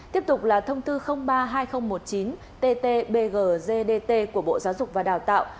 tiếp tục là thông tư ba hai nghìn một mươi chín tt bgdt của bộ giáo dục và đào tạo